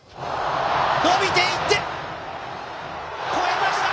伸びていって、越えました。